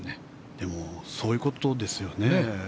でもそういうことですよね。